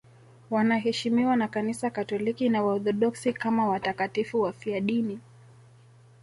Wanaheshimiwa na Kanisa Katoliki na Waorthodoksi kama watakatifu wafiadini.